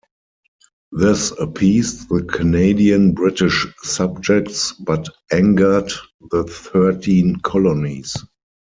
This appeased the Canadien British subjects but angered the Thirteen Colonies.